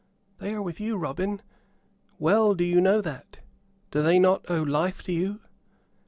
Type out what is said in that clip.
"They are with you, Robin. Well do you know that. Do they not owe life to you?"